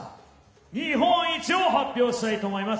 日本一を発表したいと思います。